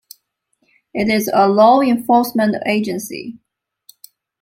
It is a law enforcement agency.